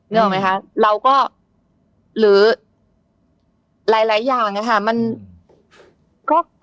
นึกออกไหมคะเราก็หรือหลายอย่างเนี่ยค่ะ